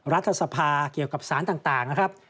รัฐสภาเกี่ยวกับสารต่างนะครับ